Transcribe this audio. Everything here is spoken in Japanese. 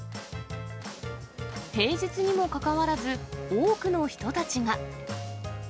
平日にもかかわらず、多くの人たちが。